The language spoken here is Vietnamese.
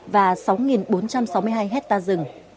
và sáu bốn trăm sáu mươi hai hectare rừng